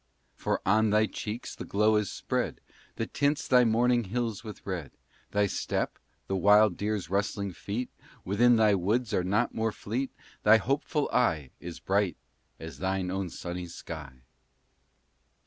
For on thy cheeks the glow is spread That tints thy morning hills with red; Thy step the wild deer's rustling feet Within thy woods are not more fleet; Thy hopeful eye Is bright as thine own sunny sky.